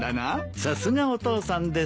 さすがお父さんです。